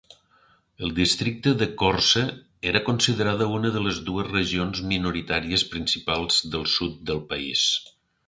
El districte de Korce era considerada una de les dues regions minoritàries principals del sud del país.